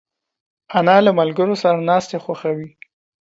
انا له ملګرو سره ناستې خوښوي